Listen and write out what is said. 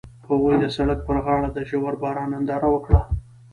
هغوی د سړک پر غاړه د ژور باران ننداره وکړه.